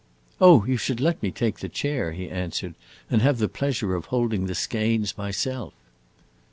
"Oh, you should let me take the chair," he answered, "and have the pleasure of holding the skeins myself!"